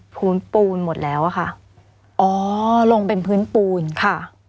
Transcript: พื้นปูนหมดแล้วอะค่ะอ๋อลงเป็นพื้นปูนค่ะ